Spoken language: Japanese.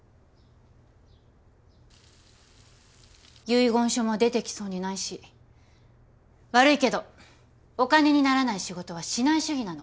遺言書も出てきそうにないし悪いけどお金にならない仕事はしない主義なの。